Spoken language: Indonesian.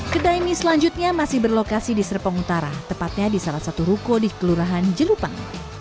kedai mie selanjutnya masih berlokasi di serpong utara tepatnya di salah satu ruko di kelurahan jelupang